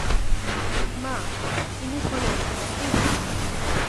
মা, ইনি হলেন স্টিভেন।